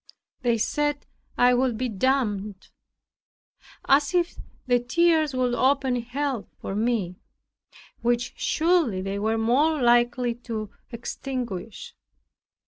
They said, I would be damned; as if the tears would open Hell for me, which surely they were more likely to extinguish.